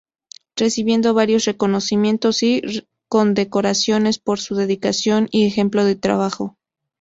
Recibiendo varios reconocimientos y condecoraciones por su dedicación y ejemplo de trabajo.